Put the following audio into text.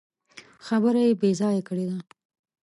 خبره يې بې ځايه کړې ده.